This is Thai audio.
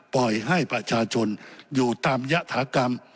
ปล่อยให้ประชาชนอยู่ตามยฐากรรม